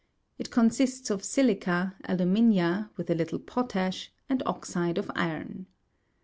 It consists of si'li ca, alu'mina, with a little potash and oxide of iron.